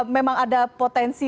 memang ada potensi